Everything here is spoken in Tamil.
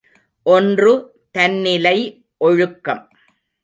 ஒன்று தன்னிலை ஒழுக்கம்.